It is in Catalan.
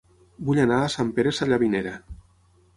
Vull anar a Sant Pere Sallavinera